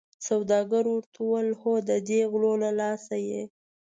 سوداګر ورته وویل هو ددې غلو له لاسه یې.